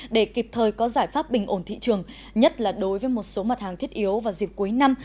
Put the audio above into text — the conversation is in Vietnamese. để kịp thời có giải pháp bình ổn thị trường nhất là đối với một số mặt hàng thiết yếu vào dịp cuối năm